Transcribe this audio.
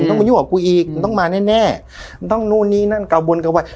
มันต้องมาอยู่กับกูอีกมันต้องมาแน่แน่มันต้องนู่นนี่นั่นกระวนกระวาย